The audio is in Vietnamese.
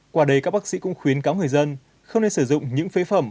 qua đây các bác sĩ cũng khuyến cáo người dân không nên sử dụng những phế phẩm